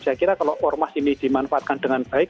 saya kira kalau ormas ini dimanfaatkan dengan baik